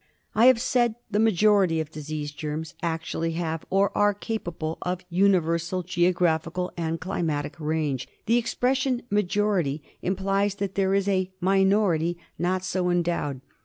I have said the majority of disease germs actually have, or are capable of, universal geographical and climatic range. The expression " majority " implies that there is a minority not so endowed.